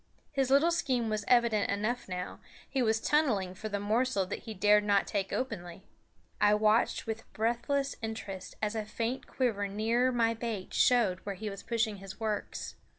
His little scheme was evident enough now; he was tunneling for the morsel that he dared not take openly. I watched with breathless interest as a faint quiver nearer my bait showed where he was pushing his works.